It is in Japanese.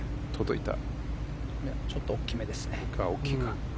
ちょっと大きめですね。